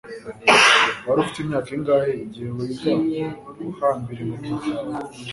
Wari ufite imyaka ingahe igihe wiga guhambira inkweto zawe